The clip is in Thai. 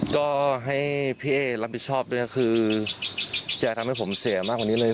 ก็ให้พี่เอ๊รับผิดชอบด้วยก็คือจะทำให้ผมเสียมากกว่านี้เลย